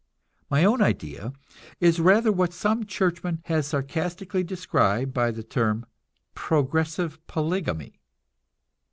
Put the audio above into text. My own idea is rather what some churchman has sarcastically described by the term "progressive polygamy."